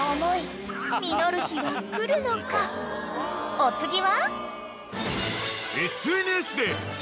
［お次は］